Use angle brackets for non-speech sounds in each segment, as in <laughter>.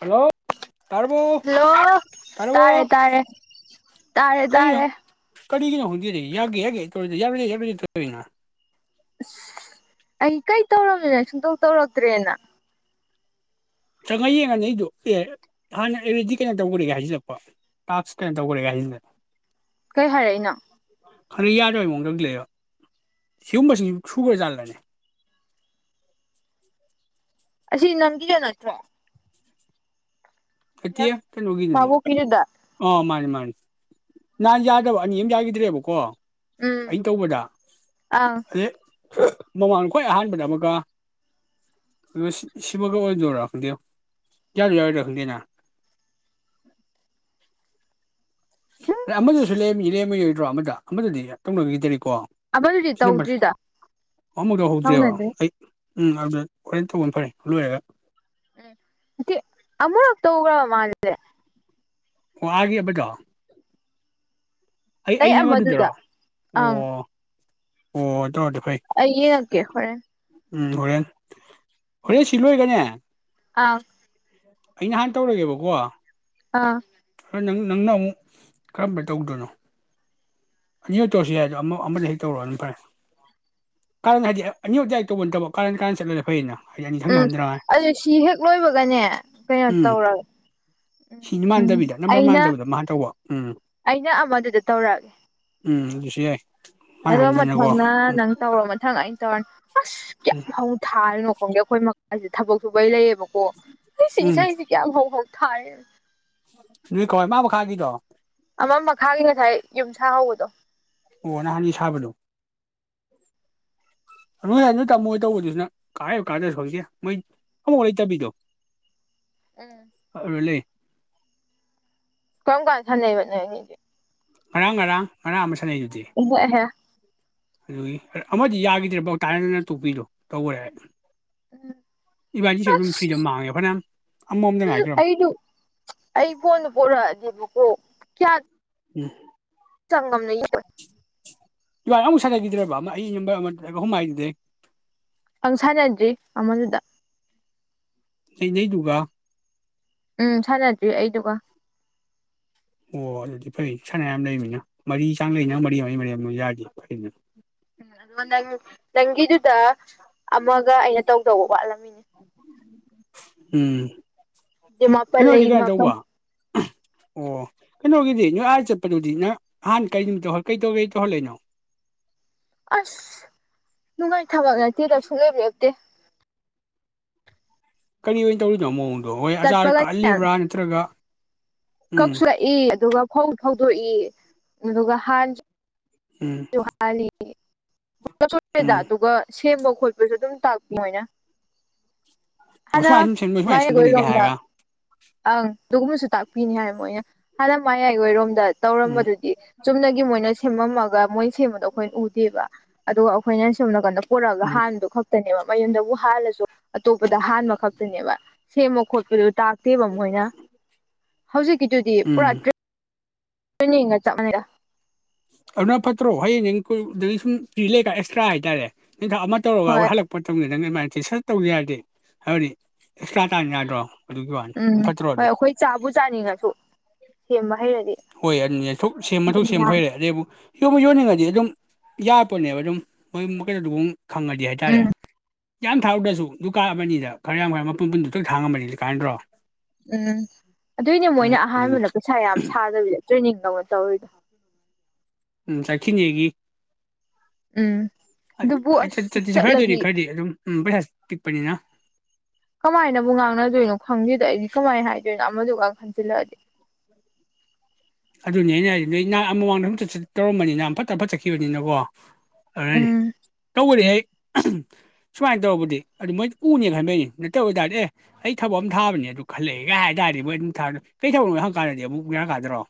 hello ꯇꯥꯔꯕꯣ hello ꯇꯥꯔꯕꯣ ꯇꯥꯔꯦ ꯇꯥꯔꯦ ꯇꯥꯔꯦ ꯀꯩꯅꯣ ꯇꯥꯔꯦ ꯀꯔꯤꯒꯤꯅꯣ ꯈꯣꯡꯗꯦꯗꯤ ꯌꯥꯒꯦ ꯌꯥꯒꯦ ꯇꯧꯔꯗꯤ ꯌꯥꯕ ꯌꯥꯗꯤ ꯇꯧꯔꯤꯅ ꯑꯁ ꯑꯩ ꯀꯩ ꯇꯧꯔꯝꯃꯤꯅ ꯁꯨꯡꯇꯧ ꯇꯧꯔꯛꯇ꯭ꯔꯦꯅ ꯆꯪꯉꯒ ꯌꯦꯡꯉꯅꯤ ꯑꯩꯗꯣ ꯑꯦ ꯍꯥꯟꯅ ꯑꯦꯔꯦꯗꯤ ꯀꯩꯅꯣ ꯇꯧꯈꯔꯦꯒꯦ ꯍꯥꯏꯖꯤꯜꯂꯛꯄ ꯇꯥꯛꯁ ꯀꯩꯅꯣ ꯇꯧꯈꯔꯦꯒꯦ ꯍꯥꯏꯖꯤꯟꯗꯅ ꯀꯩ ꯍꯥꯏꯔꯛꯏꯅꯣ ꯍꯟꯅꯛ ꯌꯥꯗꯕꯩ ꯃꯑꯣꯡꯗ ꯂꯩꯕ ꯁꯤꯒꯨꯝꯕꯁꯤꯡꯁꯨ ꯁꯨꯕ꯭ꯔꯖꯥꯜꯂꯅꯤ <inaudible> ꯑꯁꯤ ꯅꯝꯒꯤꯈꯤꯕ ꯅꯠꯇ꯭ꯔꯣ ꯅꯠꯇꯦ ꯀꯩꯅꯣꯒꯤꯗꯨꯅꯦ ꯃꯥꯕꯨ ꯀꯗ ꯑꯥ ꯃꯥꯅꯦ ꯃꯥꯅꯤ ꯅꯍꯥꯟ ꯌꯥꯗꯕ ꯑꯅꯤ ꯑꯃ ꯌꯥꯈꯤꯗ꯭ꯔꯦꯕꯀꯣ ꯎꯝ ꯑꯩꯅ ꯇꯧꯕꯗ ꯑꯪ ꯑ ꯃꯃꯥꯡꯗ ꯈ꯭ꯣꯏ ꯑꯍꯥꯟꯕꯗ ꯑꯃꯒ ꯑ ꯁꯤꯃꯒ ꯑꯣꯏꯗꯣꯏꯔꯥ ꯈꯪꯗꯦ ꯌꯥꯔ ꯌꯥꯔꯣꯏꯔ ꯈꯪꯗꯦ ꯅ ꯔꯃꯗ ꯁꯂꯦ <inaudible> ꯦꯝ ꯑꯃ ꯌꯥꯗ꯭ꯔꯣ ꯑꯃꯗ ꯑꯃꯗꯗꯤ ꯇꯅꯈꯤꯗ <inaudible> ꯀꯣ ꯑꯃꯗꯨꯗꯤ ꯁꯤ ꯅꯝꯕꯔꯁ ꯇꯧꯗ꯭ꯔꯤꯗ ꯑꯃꯨꯛ ꯂꯧꯍꯗꯦꯕ ꯁꯥꯎꯅꯗ꯭ꯔꯤ ꯑꯩ ꯎꯝ ꯑꯗꯨꯗ ꯍꯣꯔꯦꯟ ꯇꯧꯕ ꯐꯔꯦ ꯂꯣꯏꯔꯒ ꯎꯝ ꯑꯃꯔꯛꯇ ꯎ꯭ꯔ ꯃꯥꯗꯗꯦ <inaudible> ꯑꯣ ꯍꯥꯏꯒꯦꯕꯒ <inaudible> ꯅꯪ ꯑꯩꯩꯅ ꯑꯃꯗꯨꯗꯔꯣ ꯑꯃꯗꯨꯗ ꯑꯣ ꯑꯪ ꯑꯣ ꯃꯦ <inaudible> ꯑꯩ ꯌꯦꯉꯛꯀꯦ ꯍꯣꯔꯦꯟ ꯎꯝ ꯍꯣꯔꯦꯜ ꯍꯣꯔꯦꯟ ꯁꯤ ꯂꯣꯏꯒꯅꯦ ꯑꯥ ꯑꯩ ꯅꯍꯥꯟ ꯇꯧꯔꯒꯦꯕꯀꯣ ꯑꯥ ꯅꯪ ꯅꯪꯅ ꯑꯃꯨꯛ ꯀꯔꯝꯕꯅ ꯇꯧꯗꯣꯏꯅꯣ ꯑꯅꯤꯍꯛ ꯇꯧꯁꯤ ꯍꯥꯏꯗꯣ ꯑꯃ ꯑꯃꯗ ꯍꯦꯛ ꯇꯧꯔꯣꯅ ꯐꯔꯦ ꯀꯔꯟ ꯍꯥꯏꯗꯤ ꯑꯅꯤꯍ ꯥꯏ ꯇꯧꯕ ꯅꯠꯇꯕ ꯀꯔꯟ ꯀꯔꯟ ꯆꯠꯂꯅ ꯐꯩꯌꯦꯅ <inaudible> ꯎꯝ ꯑꯗꯨ ꯁꯤ ꯍꯦꯛ ꯂꯣꯏꯕꯒꯅꯦ ꯀꯩꯅꯣ ꯇꯧꯔꯒ ꯁꯤꯅꯤ ꯃꯥꯟꯗꯕꯤꯗ ꯅꯝꯕꯔ ꯃꯥꯟꯗꯕꯗ ꯃꯥ ꯇꯧꯕ ꯎꯝ ꯑꯩꯅ ꯑꯃꯗꯨꯗ ꯇꯧꯔꯛꯑꯒꯦ ꯎꯝ ꯑꯗꯨꯁꯨ ꯌꯥꯏ ꯃꯥꯅ ꯑꯗꯣ ꯍꯟꯗꯅꯀꯣ ꯃꯊꯪꯅ ꯎꯝ ꯅꯪ ꯇꯧꯔꯣ ꯃꯊꯪ ꯑꯩꯅ ꯇꯧꯔꯅꯤ <inaudible> ꯑꯁ ꯀꯌꯥꯝ ꯍꯧ ꯊꯥꯔꯤꯅꯣ ꯈꯣꯡꯗꯦ ꯑꯩꯈꯣꯏ ꯑꯁꯤ ꯊꯕꯛꯁꯨꯨꯕꯩ ꯂꯩꯌꯦꯕ ꯀꯣ ꯏꯁꯩ ꯎꯝ ꯀꯩꯌꯝ ꯍꯧ ꯍꯧ <inaudible> ꯊꯔ ꯅꯣꯏ ꯀꯧꯏ ꯃꯥ ꯃꯈꯥꯒꯤꯗꯣ ꯑꯃꯝ ꯃꯈꯥꯒꯤ ꯉꯁꯥꯏ ꯌꯨꯝ ꯍ ꯍꯥꯎꯗꯣ ꯑꯣ ꯅꯍꯥꯟ ꯁꯥꯕꯗꯣ ꯅꯣꯏ ꯑꯗꯨꯗ ꯇꯝꯃꯣ ꯇꯧꯕꯗꯨꯁꯤꯅ ꯀꯥꯏꯕ ꯀꯥꯟꯗꯁꯨ ꯍꯧꯁꯦ ꯃꯣꯏ ꯑꯃꯃꯥꯎ ꯂꯩꯇꯕꯤꯗꯣ ꯎꯝ ꯑ ꯂꯩ ꯀꯣꯝꯀꯥꯟ ꯁꯥꯟꯅꯩꯕ ꯅꯣꯏꯗꯤ ꯈꯔꯥꯡ ꯉꯥꯡ ꯃꯅꯥ ꯑꯃ ꯁꯥꯟꯅꯩ ꯑꯗꯨꯗꯤ ꯑꯦꯍꯦ ꯑꯗꯨꯒꯤ ꯑꯃꯗꯤ ꯌꯥꯈꯤꯗ꯭ꯔꯦꯐꯥꯎ ꯇꯥꯏꯔꯗꯅ ꯇꯣꯛꯄꯤꯗꯣ ꯇꯧꯈꯔꯦ ꯍꯥꯏ ꯎꯝ ꯐ꯭ꯔꯤꯗ ꯑꯁ ꯃꯥꯡꯉꯦ ꯐꯅꯌꯥꯝ ꯑꯃꯃꯝꯗ ꯎꯝ ꯉꯥꯏꯈ꯭ꯔꯕ ꯑꯩꯗꯨ ꯑꯩ ꯐꯣꯟꯗ ꯄꯣꯔꯛꯑꯗꯤꯦꯕꯀꯣ ꯀꯌꯥ ꯎꯝ ꯁꯪꯝ ꯅ ꯏꯕꯥ ꯑꯃꯨꯛ ꯁꯥꯟꯅꯈꯤꯗ꯭ꯔꯦ ꯕ ꯑꯃ ꯑꯩꯝꯕ ꯑꯃ ꯑꯍꯨꯝ ꯍꯥꯏꯈꯤꯗꯦ ꯑꯪ ꯁꯥꯟꯅꯗ꯭ꯔꯤ ꯑꯃꯗꯨꯗ ꯂꯩ ꯅꯗꯨꯒ ꯎꯝ ꯁꯥꯟꯅꯗ꯭ꯔꯤ ꯑꯩꯗꯨꯒ ꯑꯣ ꯑꯗꯨꯗꯤ ꯐꯩ ꯁꯅꯥꯌꯥꯝ ꯂꯩꯃꯤꯅꯤꯅ ꯃꯔꯤ ꯆꯥꯡ ꯂꯩꯅꯤ ꯃꯔꯤ ꯑꯃꯒꯤ ꯃꯔꯤ ꯌꯥꯗꯤꯦ ꯐꯅ ꯎꯝ ꯅꯪꯗꯨꯗ ꯑꯃꯃꯒ ꯑꯩꯅ ꯇꯧ ꯇꯧꯕ ꯑ ꯎꯝ ꯏ ꯃꯥꯄ ꯀꯩꯅꯣꯗꯤ ꯂꯩꯔꯤ ꯀꯩꯅꯣ ꯃꯄ ꯇꯧꯕ ꯑꯣ ꯀꯩꯅꯣꯒꯤꯗꯤ ꯅꯣꯏ ꯑꯥ ꯆꯠꯄꯗꯨꯗꯤ ꯅꯪ ꯑꯍꯥꯟ ꯀꯔꯤ ꯅꯨꯃꯤꯠꯇꯧ ꯀꯩ ꯇꯧ ꯀꯩ ꯇꯧꯍꯜꯂꯏꯅꯣ ꯑꯁ ꯅꯨꯡꯉꯥꯏ ꯊꯕꯛ ꯅꯠꯇꯦꯗꯁꯨꯨꯡ ꯂꯩꯕꯤꯔꯛꯇꯦ ꯀꯔꯤ ꯑꯣꯏꯅ ꯇꯧꯔꯤꯅꯣꯃꯣꯑꯣ ꯑꯗꯣ ꯍꯣꯏ ꯑꯆꯥꯔꯗ ꯀꯛꯍꯜꯂꯤꯕ꯭ꯔꯥ ꯅꯠꯇ꯭ꯔꯒ ꯎꯝ ꯀꯁ ꯑꯦ ꯑꯗꯨꯒ ꯐꯧ ꯐꯧꯗꯣꯛꯏ ꯑꯗꯨꯒ ꯍꯥꯟꯅꯁꯨ ꯎꯝ ꯍ ꯍ ꯦꯗ ꯎꯝ ꯑꯗꯨꯒꯒ ꯁꯃ ꯈꯣꯠꯄꯁꯨ ꯑꯗꯨꯝ ꯇꯥꯛ ꯃꯣꯏꯅ ꯑꯣ ꯍꯅ ꯁꯨꯃꯥꯏꯅ ꯁꯨꯝ ꯁꯦꯝꯗꯣꯏ ꯁꯨꯃꯥꯏꯅ ꯃꯥꯥꯏ ꯁꯦꯝꯗꯣꯏꯅꯤꯒ ꯑꯣꯏꯔꯣꯝꯗ ꯍꯥꯏꯔꯒ ꯑꯪ ꯇꯒꯨꯝꯃꯁꯨ ꯇꯥꯛ ꯄꯤꯅꯤ ꯍꯥꯏꯔ ꯃꯣꯏꯅ ꯍꯥꯟꯅ ꯃꯌꯥꯏ ꯑꯣꯏꯔꯣꯝꯗ ꯎꯝ ꯇꯧꯔꯝꯕꯗꯨꯗꯤ ꯆꯨꯝꯅꯒꯤ ꯃꯣꯏꯅ ꯍꯦꯃ ꯃꯒꯒꯥ ꯃꯣꯏ ꯁꯦꯝꯕꯗꯣ ꯑꯩꯈꯣꯏꯅ ꯎꯗꯦꯕ ꯑ ꯑꯩꯈꯣꯏꯅ ꯁꯣꯅ ꯀꯟꯗ ꯄꯨꯔꯛꯑꯒ ꯎꯝ ꯍꯥꯟꯗꯣ ꯈꯛꯇꯅꯦꯕ ꯃꯌꯨꯝꯗꯕꯨ ꯍꯥꯜꯂꯁꯨ ꯑꯇꯣꯞ ꯗ ꯑꯍꯥꯟꯕ ꯈꯛꯇꯅꯦꯕ ꯁꯦꯝꯕ ꯈꯣꯠꯄꯗꯨ ꯇꯥꯛꯇꯦꯕ ꯃꯣꯏꯅ ꯍꯧꯖꯤꯛꯀꯤꯗꯨꯗꯤ ꯎꯝ ꯄꯨꯔꯥ ꯇꯦ ꯆꯞ ꯃꯅꯔ ꯑꯗꯨꯅ ꯐꯠꯇ꯭ꯔꯣ ꯍꯌꯦꯡ ꯍꯡꯗꯒꯤ ꯁꯨꯝ ꯐ ꯂꯩꯀ ꯑꯦꯛꯁꯇ꯭ꯔꯥ ꯍꯥꯏꯇꯥꯔꯦ ꯅꯤꯡꯊ ꯑꯃ ꯇꯧꯔꯒ ꯋꯥ ꯍꯣꯏ ꯍꯜꯂꯛꯄ ꯃꯇꯝꯗꯪ ꯑꯗꯨꯃꯥꯏꯅ ꯇꯦꯁꯟ ꯇꯧꯗꯦ ꯌꯥꯔꯗꯤ ꯍꯥꯏꯕꯗꯤ ꯑꯦꯛꯁꯇ꯭ꯔꯥ ꯇꯥꯔꯖ ꯌꯥꯗ꯭ꯔꯣ ꯑꯗꯨꯒꯤ ꯋꯥꯅꯤ ꯎꯝ ꯐꯠꯇ꯭ꯔꯣ ꯍꯣꯏ ꯑꯗꯣ ꯑꯩꯈꯣꯏ ꯆꯥꯕꯨ ꯆꯥꯅꯤꯡꯉꯁꯨ ꯁꯦꯝꯕ ꯍꯩꯔꯗꯤ ꯍꯣꯏ ꯑꯗꯨꯣꯛ ꯁꯦꯝ ꯃꯊꯧ ꯑꯗꯨꯝ ꯁꯦꯝꯕ ꯌꯥꯔꯦ ꯍꯩꯔꯦ ꯑꯗꯨꯗꯩꯕꯨ ꯌꯣꯟꯕ ꯌꯣꯟꯅꯤꯡꯉꯗꯤ ꯑꯗꯨꯝ ꯌꯥꯔꯛꯄꯅꯦꯕ ꯑꯗꯨꯝ ꯃꯣꯏ ꯃꯈꯩꯩꯅ ꯑꯗꯨ ꯈꯪꯉꯗꯤ ꯍꯥꯏꯇꯥꯔꯦ ꯎꯝ ꯌꯥꯝ ꯊꯥꯎꯔꯨꯗ꯭ꯔꯁꯨ ꯗꯨꯀꯥꯟ ꯑꯃꯅꯤꯅꯤꯗ ꯈꯔ ꯌꯥꯝ ꯈꯔ ꯃꯄꯟ ꯄꯨꯟꯗꯨ ꯈꯪ ꯊꯥꯡꯉꯝꯕꯅꯤ ꯑꯗꯨ ꯀꯥꯏꯅꯗ꯭ꯔꯣ ꯎꯝ ꯑꯗꯨꯏꯅꯦ ꯃꯣꯏꯅ ꯑꯗꯨꯅꯤ ꯑꯍꯥꯟꯕꯅ ꯄꯩꯁꯥ ꯌꯥꯝ ꯁꯥꯗꯕꯤꯗ ꯇ꯭ꯔꯦꯅꯤꯡ ꯂ ꯇ ꯍꯣꯏꯗ ꯎꯝ ꯆꯈꯤꯅꯤꯒ ꯎꯝ ꯑꯗꯨꯕꯨ ꯑꯁ ꯆꯠꯠꯇꯁꯦ ꯈꯔꯗꯣꯏꯅꯤ ꯆꯠꯂꯗꯤ ꯈꯔꯗꯤ ꯑꯗꯨꯝ ꯎꯝ ꯄꯤꯛ ꯄꯅꯤꯅ ꯀꯃꯥꯏꯅꯕꯨ ꯉꯥꯡꯅꯗꯣꯏꯅꯣ ꯈꯪꯗꯣꯏꯗꯣ ꯑꯩꯗꯤ ꯀꯃꯥꯏꯅ ꯍꯥꯏꯗꯣꯏꯅꯣ ꯑꯃꯗꯨꯒ ꯈꯟꯖꯤꯜꯂꯛꯑꯗꯤ ꯑꯗꯨꯅꯦ ꯑꯩꯅ ꯍꯥꯏꯔꯤꯕ ꯅ ꯅꯍꯥꯛ ꯑꯃ ꯃꯃꯥꯡꯗ ꯑꯝ ꯇꯧꯔꯝꯕꯅꯤꯅ ꯐꯠꯇ ꯐꯠ ꯆꯠꯈꯤꯕꯅꯤꯅꯀꯣ ꯑꯗꯨꯅꯦ ꯎꯝ ꯇꯧꯅꯤ ꯍꯦꯛ ꯁꯨꯃꯥꯏꯅ ꯇꯧꯔꯔꯕꯗꯤ ꯑꯗꯨ ꯃꯣꯏꯗꯤ ꯎꯅꯦ ꯈꯟꯕꯩꯅꯤ ꯅꯠꯇꯧ ꯑꯣꯏ ꯇꯥꯔꯗꯤ ꯑꯦ ꯑꯩ ꯊꯕꯛ ꯑꯃ ꯊꯥꯕꯅꯦ ꯑꯗꯨ ꯈꯜꯂꯛꯑꯦꯒ ꯍꯥꯏ ꯇꯥꯔꯗꯤ ꯃꯣꯏ ꯑꯗꯨꯝ ꯊꯥꯔ ꯀꯩ ꯊꯕꯛꯅꯣ ꯍꯪꯛ ꯀꯥꯟꯗꯗꯤ ꯑꯃꯨꯛ ꯌꯥꯔꯛ ꯀꯥꯗ꯭ꯔꯣ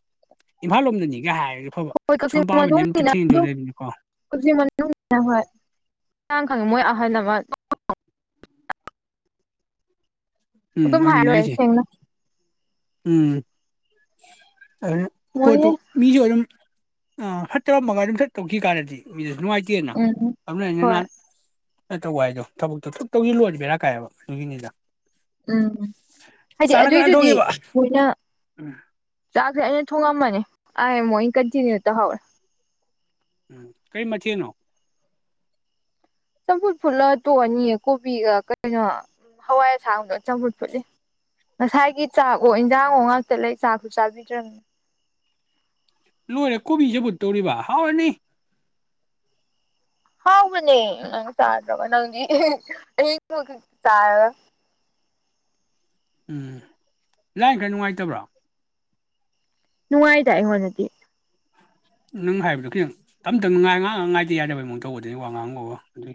ꯏꯝꯐꯥꯜ ꯂꯣꯝꯗꯅꯤꯒ ꯍꯥꯏ ꯍꯣꯏ ꯀꯛꯆꯤꯡ ꯃꯅꯨꯡ ꯀꯛꯆꯤꯡ ꯍꯣꯏꯥꯡ ꯈꯪꯦ ꯃꯣꯏ ꯍꯅꯕꯥꯗ ꯎꯝ ꯑꯗꯨꯝ ꯍꯥꯔ ꯑꯗꯨꯅꯤ ꯑꯩꯁꯦ ꯑꯣꯏꯁꯅ ꯎꯝ ꯑꯗꯨ ꯄꯠꯇꯨ ꯃꯣꯏꯅ ꯃꯤꯖꯣꯂꯝ ꯑ ꯐ ꯇꯔꯥꯃꯉꯥ ꯑꯗꯨꯝꯊꯠ ꯇꯧꯈꯤ ꯀꯥꯟꯅꯗꯤ ꯃꯤꯗꯨ ꯅꯨꯡꯉꯥꯏꯇꯦꯌꯦꯅ ꯎꯝ ꯑꯗꯨꯅꯩꯅ ꯍꯣꯏ ꯅꯍꯥꯟ ꯅ ꯇꯧꯕ ꯍꯥꯏꯗꯣ ꯊꯕꯛꯇꯣ ꯊꯨꯛꯇꯧꯒꯤ ꯂꯣꯏꯕꯔꯥ ꯀꯥꯏꯑꯕ ꯁꯤꯅꯤꯗ ꯎꯝ ꯍꯥꯏꯗꯤ ꯑꯗꯨꯣꯏꯁꯨ ꯍꯧꯗꯤ ꯊꯣꯡꯉꯤꯕ ꯃꯣꯏꯅ ꯎꯝ ꯆꯥꯛꯁ ꯑꯩꯅ ꯊꯣꯡꯉꯝꯃꯅꯤ ꯑ ꯑꯃꯨꯛ ꯀꯟꯇꯤꯅ꯭ꯌꯨ ꯇꯧꯍꯧꯔꯦ ꯎꯝ ꯀꯩ ꯃꯆꯤꯅꯣ ꯆꯝꯐꯨꯠ ꯐꯨꯠꯂ ꯇꯣꯛꯑꯅꯤꯌꯦ ꯀꯣꯕꯤꯒ ꯀꯩꯅꯣ ꯍꯋꯥꯏ ꯑꯁꯥꯡꯗꯣ ꯆꯝꯐꯨꯠ ꯐꯨꯠꯂꯤ ꯉꯁꯥꯏꯒꯤ ꯆꯥꯛ ꯑꯣꯣ ꯏꯟꯖꯥꯡꯣ ꯉꯥꯛꯇ ꯂꯩ ꯆꯥꯛꯁꯨ ꯆꯥꯕꯤꯗ꯭ꯔꯕꯅꯤꯅ ꯂꯣꯏꯔꯦ ꯀꯣꯕꯤꯁꯦꯕꯨꯠ ꯇꯧꯔꯤꯕ ꯍꯥꯎꯔꯅꯤ ꯍꯥꯎꯕꯅꯦ ꯅꯪ ꯇꯥ ꯅꯪ ꯇꯥ ꯎꯝ ꯂꯥꯏ ꯈꯔ ꯅꯨꯡꯉꯥꯏꯇꯕ꯭ꯔꯣ ꯅꯨꯡꯉꯥꯏ ꯇꯥꯏ ꯍ ꯅꯗꯤ ꯅꯪ ꯍꯥꯏꯕꯗꯣ ꯈꯤꯇꯪ ꯇꯞ ꯇꯞꯅ ꯉꯥꯏ ꯉꯥꯡ ꯉꯥꯏꯗꯦ ꯌꯥꯗꯅꯕꯒꯤꯃꯨꯛ ꯇꯧꯕꯗꯨꯅꯤ ꯋꯥ ꯉꯥꯡꯉꯕ ꯑꯗꯨꯒꯤ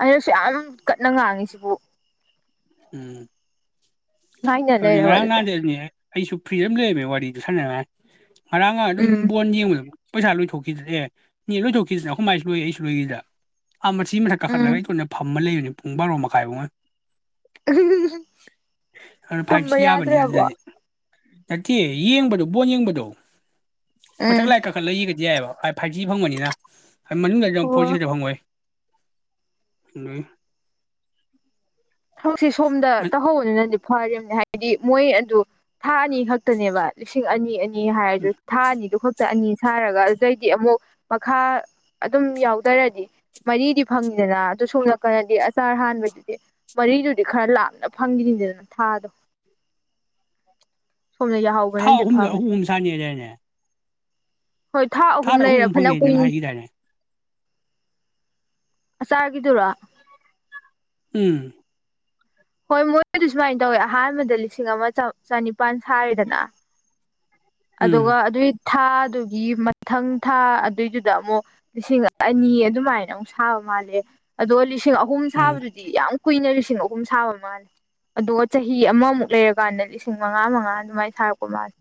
ꯑꯩꯅꯁꯨ ꯌꯥꯝ ꯀꯟꯅ ꯉꯥꯡꯉꯤꯁꯤꯕꯨ ꯎꯝ ꯉꯅꯦ ꯑꯗꯨꯅꯦ ꯂꯩ ꯉꯔꯥꯡ ꯑꯋꯥꯗꯗ ꯅꯍꯥꯟꯗꯤ ꯑꯗꯨꯅꯦ ꯑꯩꯁꯨ ꯐ꯭ꯔꯤꯗ ꯑꯃ ꯂꯩꯔꯝꯃꯦ ꯋꯥꯔꯤꯗ ꯁꯥꯟꯅꯔꯉꯥꯏ ꯉꯔꯥꯡ ꯑꯗꯨꯝ ꯎꯝ ꯕꯣꯟ ꯌꯦꯡꯕꯗꯕ ꯄꯩꯁꯥ ꯂꯣꯏꯊꯣꯛꯈꯤꯗ꯭ꯔ ꯑꯦꯅꯦ ꯂꯣꯏꯊꯣꯛꯈꯤꯗꯅ ꯑꯩꯈꯃꯥꯏꯁꯨ ꯂꯣꯏ ꯑꯩꯁꯨ ꯂꯣꯏꯈꯤꯗ ꯑꯥ ꯃꯁꯤ ꯃꯊꯛ ꯎꯝ ꯀꯥꯈꯠꯂꯒ ꯑꯩ ꯀꯣꯟꯅ ꯐꯝꯃ ꯂꯩꯕꯅꯤ ꯄꯨꯡ ꯕꯥꯔꯣ ꯃꯈꯥꯏꯕꯨꯡꯉ ꯑꯗꯨꯅ ꯎ ꯐꯥꯏꯚ ꯇ ꯁꯤ ꯌꯥꯗ꯭ꯔꯦ ꯌꯥꯕꯅꯤ ꯑꯕꯋꯥ ꯑꯗꯨꯗꯗꯤ ꯅꯠꯇꯦ ꯌꯦꯡꯕꯗꯨꯣ ꯕꯣꯟ ꯌꯦꯡꯕꯗꯣ ꯃꯒ ꯎꯝ ꯂꯑ ꯀ ꯈꯜꯂꯒ ꯌꯥꯏꯕ ꯐꯥꯏꯊ ꯐꯪꯕꯅꯤꯅ ꯃꯅꯨꯡꯗ ꯌꯥꯝ ꯑꯣ ꯐꯣꯔꯁꯤ ꯍꯗ ꯐꯪꯉꯣꯏ ꯑ ꯊꯕꯛꯁꯦ ꯁꯣꯝꯗ ꯇꯧꯍꯧꯕꯅꯤꯅꯅꯦ ꯐꯅꯦ ꯍꯥꯏꯗꯤ ꯃꯣꯏ ꯑꯗꯨ ꯊꯥ ꯑꯅꯤ ꯈꯛꯇꯅꯦꯕ ꯂꯤꯁꯤꯡ ꯑꯅꯤ ꯑꯅꯤ ꯍꯥꯏꯔꯁꯨ ꯊꯥ ꯑꯅꯤꯗꯨ ꯈꯛꯇ ꯑꯅꯤ ꯁꯥꯔꯒ ꯑꯗꯨꯗꯩꯗꯤ ꯑꯃꯨꯛ ꯃꯈꯥ ꯑꯗꯨꯝ ꯌꯥꯎꯗꯔꯗꯤ ꯃꯔꯤꯗꯤ ꯐꯪꯉꯤꯗꯅ ꯑꯗꯨ ꯁꯣꯝ ꯅꯥꯀꯜꯗꯗꯤ ꯑꯆꯥꯔ ꯍꯥꯟꯕꯩꯗꯨꯗꯤ ꯃꯔꯤꯗꯨꯗꯤ ꯈꯔ ꯂꯥꯞꯅ ꯐꯪꯈꯤꯅꯤꯗꯗꯅ ꯊꯥꯗꯣ ꯁꯣꯝꯗ ꯊꯥ ꯌꯥꯍꯧꯕꯅꯗꯤ ꯑꯍꯨꯝꯗ ꯐꯕꯅꯤ ꯑꯍꯨꯝ ꯑꯨꯝ ꯁꯥꯅꯤꯗꯅꯦ ꯍꯣꯏ ꯊꯥ ꯑꯍꯨꯝ ꯂꯩꯔꯦ ꯐꯅ ꯅꯪ ꯀꯨꯏꯅꯤ ꯍꯥꯏꯈꯤꯗꯥꯏꯅꯦ ꯑ ꯆꯥꯔꯒꯤꯗꯨꯔ ꯎ ꯍꯣꯏ ꯃꯣꯏꯕꯨꯗꯤ ꯁꯨꯃꯥꯏꯅ ꯇꯧꯋꯦ ꯑꯍꯥꯟꯕꯗ ꯂꯤꯁꯤꯡ ꯑꯃ ꯆꯅꯤꯄꯥꯜ ꯁꯥꯔꯤꯦꯗꯅ ꯎꯝ ꯑꯗꯨꯒ ꯑꯗꯨꯒꯤ ꯊꯥ ꯑꯗꯨꯒꯤ ꯃꯊꯪ ꯊꯥ ꯑꯗꯨꯏꯗꯨꯗ ꯑꯃꯨꯛ ꯂꯤꯁꯤꯡ ꯑꯅꯤ ꯑꯗꯨꯃꯥꯏꯅ ꯑꯃꯨꯛ ꯁꯥꯕ ꯃꯥꯜꯂꯦ ꯑꯗꯣ ꯂꯤꯁꯤꯡ ꯑꯍꯨꯝ ꯎꯝ ꯁꯥꯕꯗꯨꯗꯤ ꯌꯥꯝ ꯀꯨꯏꯅ ꯂꯤꯁꯤꯡ ꯑꯍꯨꯝ ꯁꯥꯕ ꯃꯥꯜꯂꯦ ꯑꯗꯨꯒ ꯆꯍꯤ ꯑꯃꯃꯨꯛ ꯂꯩꯔꯀꯥꯟꯗ ꯂꯤꯁꯤꯡ ꯃꯉꯥ ꯃꯉꯥ ꯑꯗꯨꯃꯥꯏꯅ ꯁꯥꯔꯛꯄ ꯃꯥꯜꯂꯦ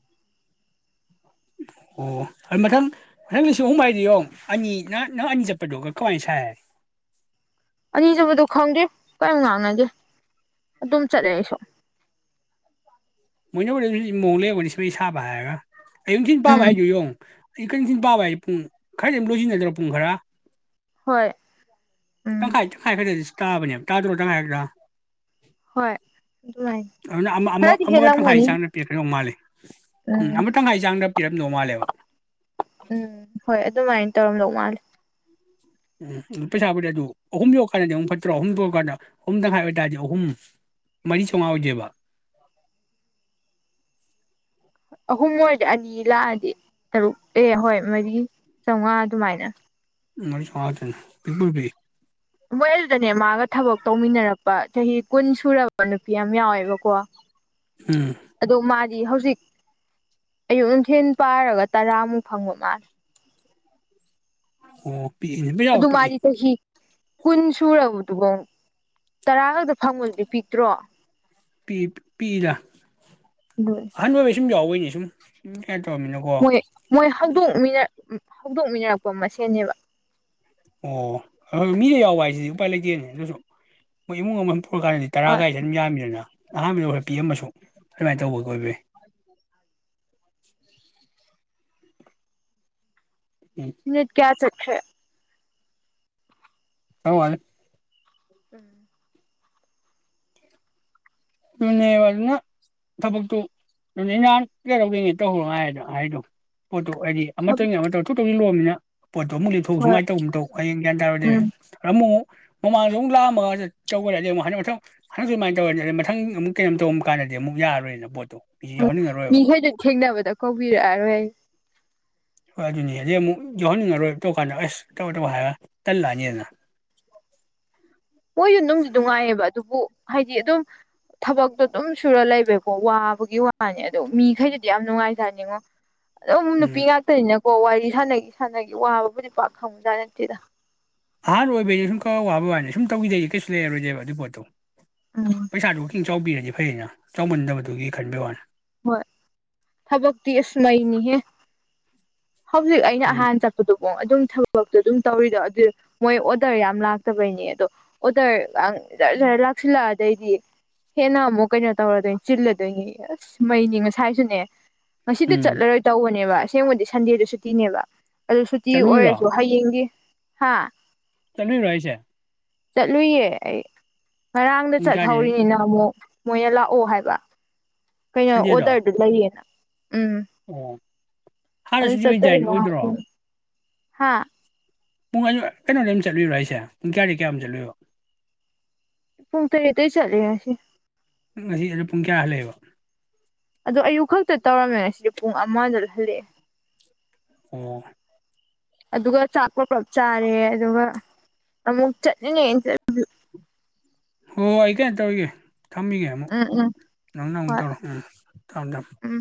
ꯑꯣ ꯑꯗꯨ ꯃꯊꯪ ꯃꯊꯪ ꯂꯤꯁꯤꯡ ꯑꯍꯨꯝ ꯃꯏꯗꯤ ꯌꯦꯡꯉ ꯑꯅꯤ ꯅ ꯅꯪ ꯑꯅꯤ ꯆꯠꯄꯗꯨꯣꯒ ꯀꯃꯥꯏꯅ ꯁꯥꯏ ꯑꯅꯤꯁꯨꯕꯗꯣ ꯈꯪꯗꯦ ꯀꯔꯤꯝ ꯉꯥꯡꯅꯒꯦ ꯑꯗꯨꯝ ꯆꯠꯂꯦ ꯑꯩꯁꯨ ꯃ <unintelligible> ꯃ ꯂꯩꯦꯕꯅꯤ ꯍꯁꯥꯕ ꯍꯥꯏꯒ ꯑꯌꯨꯛ ꯊꯤꯤꯟ ꯄꯥꯕ ꯎꯝ ꯍꯥꯏꯨ ꯌꯦꯉ ꯑꯩ ꯀꯔꯤꯁꯤꯟ ꯄꯥꯕ ꯍꯥꯏ ꯄꯨꯡ ꯈꯔꯗꯤ ꯑꯗꯨꯝ ꯂꯣꯏꯁꯤꯟꯟꯅꯗ꯭ꯔꯣ ꯄꯨꯡ ꯈꯔ ꯍꯣꯏ ꯎꯝ ꯇꯪꯥꯏ ꯇꯪ ꯈꯥꯏ ꯐꯔꯦꯁ ꯇꯥꯕꯅꯦ ꯇꯥꯗ꯭ꯔꯣꯇꯉ ꯍꯥꯏꯗ ꯍꯣꯏ ꯑꯗꯨꯃꯥꯏꯅ ꯑꯗꯨꯅ ꯑꯃ ꯈꯔꯗꯤ ꯑꯃꯒ ꯇꯪꯈꯥꯏ ꯍꯦꯜꯂꯝꯒꯅꯤ ꯆꯥꯡꯗ ꯄꯦꯛꯈ꯭ꯔꯧ ꯃꯥꯜꯂꯦ ꯎꯝ ꯑꯃ ꯇꯪ ꯍꯥꯏꯥꯏꯖꯪꯗ ꯄꯤꯔꯝꯗꯧ ꯃꯥꯜꯂꯦꯕ ꯎꯝ ꯍꯣꯏ ꯑꯗꯨꯃꯥꯏꯅ ꯇꯧꯔꯝ ꯂꯧ ꯃꯥ ꯎꯝ ꯑꯗꯨ ꯄꯩꯁꯥꯕꯨꯗꯤ ꯑꯗꯨ ꯑꯍꯨꯝ ꯌꯧꯔꯀꯥꯟꯗꯗꯤ ꯑꯃꯨꯛ ꯐꯠꯇ꯭ꯔꯣ ꯑꯍꯨꯝ ꯌꯧꯀꯥꯟꯗ ꯑꯍꯨꯝꯗꯪ ꯍꯥꯏꯥꯏꯕꯇꯥꯥꯔꯗꯤ ꯑꯍꯨꯝ ꯃꯔꯤ ꯆꯥꯝꯃꯉꯥ ꯑꯣꯏꯗꯦꯕ ꯑꯍꯨꯝ ꯑꯣꯏꯔꯗꯤ ꯑꯅꯤ ꯂꯥꯛꯑꯗꯤ ꯇꯔꯨꯛ ꯑꯦ ꯍꯣꯏ ꯃꯔꯤ ꯆꯥꯝꯃꯉꯥ ꯑꯗꯨꯃꯥꯏꯅ ꯃꯁꯨꯅꯀꯜ ꯐ ꯃꯣꯏ ꯑꯗꯨꯗꯅꯦ ꯃꯥꯒ ꯊꯕꯛ ꯇꯧꯃꯤꯟꯅꯔꯛꯄ ꯆꯍꯤ ꯀꯨꯟ ꯁꯨꯔꯕ ꯅꯨꯄꯤ ꯌꯥꯝ ꯌꯥꯎꯋꯦꯕꯀꯣ ꯎꯝ ꯑꯗꯣ ꯃꯥ ꯗꯤ ꯍꯧꯖꯤꯛ ꯑꯌꯨꯛ ꯅꯨꯡꯊꯤ ꯄꯥꯔꯒ ꯇꯔꯥꯃꯨꯛ ꯐꯪꯕ ꯃꯥꯜꯂꯦ ꯑꯣ ꯄꯤꯏꯅꯤ ꯄꯖꯥ ꯑꯗꯨ ꯄꯤꯑꯏ ꯃꯥꯗꯤ ꯆꯍꯤ ꯀꯨꯟ ꯁꯨꯔꯕꯗꯨꯐꯥꯎ ꯇꯔꯥ ꯈꯛꯇ ꯐꯪꯕꯗꯤ ꯄꯤꯛꯇ꯭ꯔꯣ ꯄ ꯄꯤꯗꯥ ꯍꯣꯏ ꯁꯨꯝ ꯌꯥꯎꯋꯦꯅꯦ ꯁꯨꯝ ꯀꯩꯅꯣ ꯇꯧꯔꯃꯤꯅꯀꯣ ꯃꯣꯏ ꯃꯣꯏ ꯍꯧꯥꯡꯗꯣꯛꯃꯤꯅ ꯍꯧꯗꯣꯛꯃꯤꯟꯅꯔꯛꯄ ꯃꯁꯦꯅꯦꯕ ꯑꯣ ꯃꯤꯗ ꯌꯥꯎꯕ ꯍꯥꯏꯁꯤꯗꯤ ꯎꯄꯥꯏ ꯂꯩꯇꯦꯅꯦ ꯑꯗꯨꯁꯨ ꯃꯣꯏ ꯏꯃꯨꯡ ꯑꯃꯨꯨꯝ ꯄꯨꯔꯛꯀꯥꯟꯗꯗꯤ ꯍꯣꯏ ꯇꯔꯥꯒꯥꯏꯁꯤꯦ ꯑꯗꯨꯝ ꯌꯥꯝꯃꯤꯗꯅ ꯑꯍꯥꯟꯕꯗꯈꯔ ꯄꯤꯑꯃꯁꯨ ꯑꯗꯨꯃꯥꯏꯅ ꯇꯧꯕ ꯀ ꯑꯣꯏꯕꯏ ꯍꯥꯏ <unintelligible> ꯎꯝ ꯅ ꯀꯌꯥ ꯆꯠ ꯈꯦ ꯍꯧ ꯎꯝ ꯑꯗꯨꯅꯦꯕ ꯑꯗꯨꯅ ꯊꯕꯛꯇꯨ ꯑꯗꯨꯅꯦ ꯅꯍꯥꯟ ꯀꯩꯗꯧꯗꯣꯏꯅꯦ ꯇꯧꯍꯔꯣ ꯍꯥꯏꯗꯣ ꯍꯥꯏꯗꯣ ꯄꯣꯠꯇꯨ ꯍꯥꯏꯗꯤ ꯎꯝ ꯑꯃꯇꯪ ꯑꯃ <unintelligible> ꯄꯣꯠꯇꯣ ꯑꯃꯨꯛ ꯂꯤꯊꯣꯛꯎ ꯍꯣꯏ ꯁꯨꯉꯥꯏ ꯇꯧꯕ ꯑꯃꯨꯛ ꯇꯧ ꯍꯌꯦꯡ ꯒ꯭ꯌꯥꯟ ꯇꯥꯔꯗꯤꯅꯦ ꯎꯝ ꯑꯃꯨꯛ ꯃꯃꯥꯡꯗ ꯑꯃꯨꯛ ꯂꯥꯛꯑꯃꯒ ꯇꯧꯔꯗꯤ ꯑꯃꯨꯛ <unintelligible> ꯑꯗꯨꯃꯥꯏꯅ ꯇꯧ <unintelligible> <inaudible> ꯈꯪ ꯑꯃꯨꯛ ꯀꯩꯅꯣꯝ ꯇꯧꯔꯝ ꯀꯥꯟꯗꯗꯤ ꯑꯃꯨꯛ ꯌꯥꯔꯣꯏꯅ ꯄꯣꯠꯇꯣ ꯃꯤꯁꯨ ꯌꯥꯎꯍꯟꯅꯤꯡꯉꯔꯣꯏꯕ ꯃꯤꯈꯩꯁꯨ ꯊꯦꯡꯅꯕꯗ ꯀꯧꯕꯤꯔꯛꯑꯔꯣꯏ ꯑꯩ ꯍꯣꯏ ꯑꯗꯨꯅꯤ ꯑꯗꯩꯩ ꯑꯃꯨꯛ ꯌꯥꯎꯍꯟꯅꯤꯡꯉꯔꯣꯏ ꯇꯧ ꯀꯥꯟꯗ ꯑꯁ ꯇꯧ ꯇꯧ ꯍꯥꯏꯔꯒ ꯇꯜꯂꯛꯑꯅꯤꯗꯅ ꯃꯣꯏꯁꯨ ꯅꯨꯡꯗꯤ ꯅꯨꯡꯉꯥꯏꯌꯦꯕ ꯑꯗꯨꯕꯨ ꯍꯥꯏꯗꯤ ꯑꯗꯨꯝ ꯊꯕꯛꯇꯣ ꯑꯗꯨꯝ ꯁꯨꯔ ꯂꯩꯕꯩꯀꯣ ꯋꯥꯕꯒꯤ ꯋꯥꯅꯤ ꯑꯗꯣ ꯃꯤꯈꯩꯗꯨꯗꯤ ꯌꯥꯝ ꯅꯨꯡꯉꯥꯏꯖꯅꯤꯡꯉꯣ ꯑꯗꯨꯕꯨꯨ ꯅꯨꯄꯤ ꯎꯝ ꯉꯥꯛꯇꯅꯤꯅ ꯑꯣ ꯋꯥꯔꯤ ꯁꯥꯟꯅꯈꯤ ꯁꯥꯟꯅꯈꯤ ꯋꯥꯕꯕꯨꯗꯤ ꯄꯥꯛ ꯈꯪꯕꯖꯥꯠ ꯅꯠꯇꯦꯗ ꯑꯍꯥꯟꯕ ꯑꯣꯏꯕꯩ ꯁꯨꯝ ꯈꯔ ꯋꯥꯕ ꯋꯥꯅꯤ ꯁꯨꯝ ꯇꯧꯈꯤꯗꯩꯗꯤ ꯀꯩꯁꯨꯝ ꯂꯩꯔꯔꯣꯏꯗꯩꯩꯕ ꯑꯗꯨꯏ ꯄꯣꯠꯇꯣ ꯎꯝ ꯄꯩꯁꯥꯗꯨꯀꯤ ꯆꯥꯎꯕꯤꯔꯗꯤ ꯐꯩꯌꯦꯅ ꯆꯥꯎꯃꯟꯗꯕꯗꯨꯒꯤ ꯈꯟꯕꯤ ꯋꯥꯅꯤ ꯍꯣꯏ ꯊꯕꯛꯇꯤ ꯑꯁ ꯃꯩꯅꯤꯍꯦ ꯍꯧꯖꯤꯛ ꯑꯩꯅ ꯎꯝ ꯑꯍꯥꯟ ꯆꯠꯄꯗꯨꯀꯣ ꯑꯗꯨꯝ ꯊꯕꯛ ꯊꯕꯛꯇꯨ ꯑꯗꯨꯝ ꯇꯧꯔꯤꯗꯣ ꯑꯗꯨ ꯃꯣꯏ ꯑꯣꯔꯗꯔ ꯌꯥꯝ ꯂꯥꯛꯇꯕꯩꯅꯦ ꯑꯗꯣ ꯑꯣꯗꯔ ꯖꯔ ꯖꯔ ꯂꯥꯛꯁꯤꯂꯛꯑꯗꯤ ꯑꯗꯩꯗꯤ ꯍꯦꯟꯅ ꯑꯃꯨꯛ ꯀꯩꯅꯣ ꯇꯧꯔꯗꯣꯏꯅꯤ ꯆꯤꯜꯂꯗꯣꯏꯅꯤ ꯑꯁ ꯃꯩꯅꯤ ꯉꯁꯥꯏꯁꯨꯅꯦ ꯉꯁꯤꯗꯣ ꯎꯝ ꯆꯠꯂꯔꯣꯏ ꯇꯧꯕꯅꯦꯕ ꯑꯁ <unintelligible> ꯁꯟꯗꯦꯗꯨ ꯁꯨꯇꯤꯅꯦꯕ ꯑꯗꯨ ꯁꯨꯇꯤ ꯆꯠꯂꯨꯏꯔꯣ ꯑꯣꯏꯔꯁꯨ ꯍꯌꯦꯡꯒꯤ ꯍꯥꯥ ꯆꯠꯂꯨꯏꯔꯣ ꯍꯥꯏꯁꯦ ꯆꯠꯂꯨꯏꯌꯦ ꯑꯩ ꯉꯔꯥꯡꯗ ꯄꯨꯡ ꯀꯌꯥꯗꯩ ꯆꯠꯍꯧꯔꯤꯅꯤꯅ ꯑꯃꯨꯛ ꯃꯣꯏꯅ ꯂꯥꯛꯑꯣ ꯍꯥꯏꯕ ꯀꯩꯅꯣ ꯁꯟꯗꯦꯗꯣ ꯑꯣꯗꯔꯗꯨ ꯂꯩꯏꯌꯦꯅ ꯑꯣ ꯍꯥꯟꯅ <unintelligible> ꯍꯥꯥ ꯄꯨꯡ ꯑꯗꯨ ꯀꯩꯅꯣꯗꯝ ꯆꯠꯂꯨꯏꯔꯣ ꯍꯥꯏꯁꯦ ꯄꯨꯡ ꯀꯌꯥꯗꯒꯤ ꯀꯌꯥꯝ ꯆꯠꯂꯨꯏꯕ ꯄꯨꯡ ꯇꯔꯦꯠꯇꯩ ꯆꯠꯂꯦ ꯉꯁꯤ ꯉꯁꯤ ꯑꯩꯅ ꯄꯨꯡ ꯀꯌꯥ ꯍꯜꯂꯛꯑꯦꯕ ꯑꯗꯣ ꯑꯌꯨꯛ ꯈꯛꯇ ꯇꯧꯔꯝꯃꯦ ꯉꯁꯤꯗꯤ ꯄꯨꯡ ꯑꯃꯗ ꯍꯜꯂꯛꯑꯦ ꯑꯣ ꯑꯗꯨ ꯑꯗꯨꯒ ꯆꯥꯀꯣ ꯄ ꯆꯥꯔꯦ ꯑꯗꯨꯒ ꯑꯃꯨꯛ ꯆꯠꯂꯤꯅꯦꯠꯂ ꯍ ꯑꯩ ꯀꯦ ꯇꯧꯒꯦ ꯊꯝꯕꯤꯒꯦ ꯑꯃꯨꯛ ꯎꯝ ꯎꯝ ꯅꯪ ꯅꯪ ꯍꯣꯏ ꯇꯧꯔꯣ ꯎꯝ ꯊꯝꯃꯦ ꯊꯝꯃꯦ ꯎꯝ